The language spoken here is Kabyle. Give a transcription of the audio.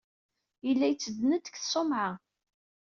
Yella yettedden-d seg tṣumɛa.